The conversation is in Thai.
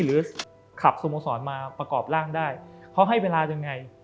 หรือคลับสมสรรมาประกอบร่างได้เพราะให้เวลาจังงั้ย